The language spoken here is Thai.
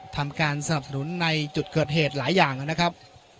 ทำการสนับสนุนในจุดเกิดเหตุหลายอย่างนะครับ